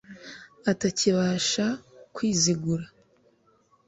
Atakibasha kwizigura